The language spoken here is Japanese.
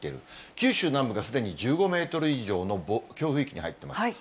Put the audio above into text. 九州南部がすでに１５メートル以上の強風域に入ってます。